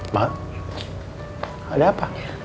mak ada apa